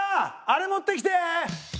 あれ持ってきて！